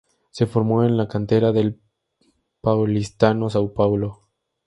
Se formó en la cantera del Paulistano São Paulo.